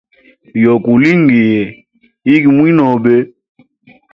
Yogo likulingiye igo mwinobe.